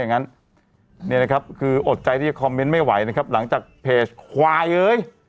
เป็นอันนะครับคือโอจรใจที่คอมเมนไม่ไหวนะครับหลังจากเพจควายเยอะ